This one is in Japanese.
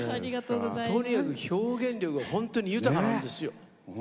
とにかく表現力が本当に豊かなんですよ。